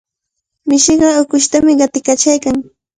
Mishiqa ukushtami qatiykachaykan.